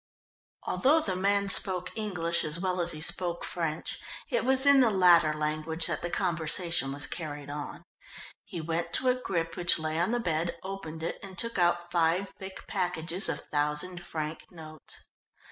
Although the man spoke English as well as he spoke French, it was in the latter language that the conversation was carried on. He went to a grip which lay on the bed, opened it and took out five thick packages of thousand franc notes.